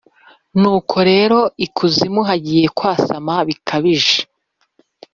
Nuko rero, ikuzimu hagiye kwasama bikabije,